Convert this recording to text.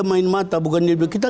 oh bukan bukan dia main mata